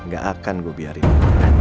gak akan gue biarin